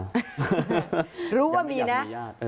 รู้ว่ามีนะ